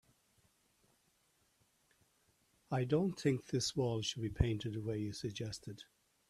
I don't think this wall should be painted the way you suggested.